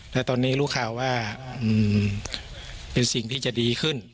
แล้วตอนนี้รู้ข่าวว่าเป็นสิ่งที่จะดีขึ้น